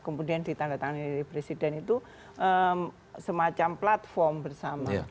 kemudian ditandatangani dari presiden itu semacam platform bersama